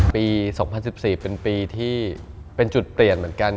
ปี๒๐๑๔เป็นปีที่เป็นจุดเปลี่ยนเหมือนกัน